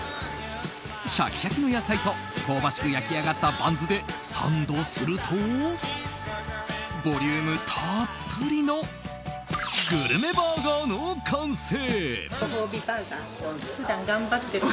シャキシャキの野菜と香ばしく焼き上がったバンズでサンドするとボリュームたっぷりのグルメバーガーの完成。